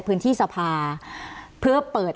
พื้นที่สภาเพื่อเปิด